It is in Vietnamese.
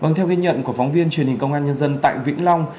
vâng theo ghi nhận của phóng viên truyền hình công an nhân dân tại vĩnh long